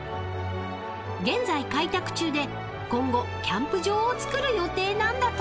［現在開拓中で今後キャンプ場を造る予定なんだとか］